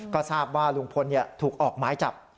ก็ทราบว่าลุงพลถูกออกหมายจับ